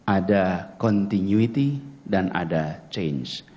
ada continuity dan ada change